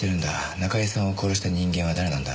中居さんを殺した人間は誰なんだ？